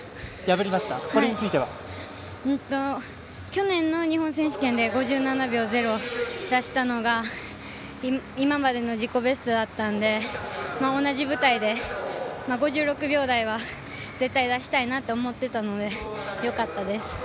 去年の日本選手権で５７秒０を出したのが今までの自己ベストだったんで同じ舞台で、５６秒台は絶対に出したいなと思ってたのでよかったです。